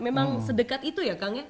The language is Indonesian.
memang sedekat itu ya kang